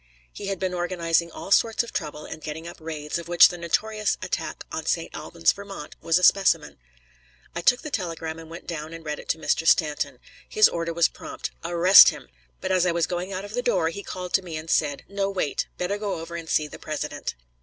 He had been organizing all sorts of trouble and getting up raids, of which the notorious attack on St. Albans, Vt., was a specimen. I took the telegram and went down and read it to Mr. Stanton. His order was prompt: "Arrest him!" But as I was going out of the door he called to me and said: "No, wait; better go over and see the President."